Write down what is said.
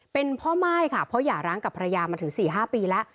เป็นพ่อม่ายค่ะเพราะหย่าร้างกับภรรยามาถึง๔๕ปีแล้ว